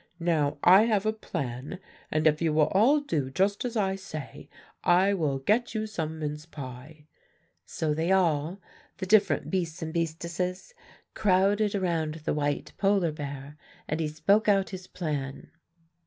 Now, I have a plan; and if you will all do just as I say, I will get you some mince pie.' So they all the different beasts and beastesses crowded around the white polar bear, and he spoke out his plan.